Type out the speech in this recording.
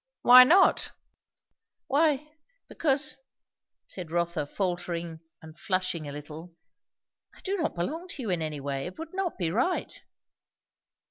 "Why not?" "Why because " said Rotha faltering and flushing a little, "I do not belong to you in any way. It would not be right."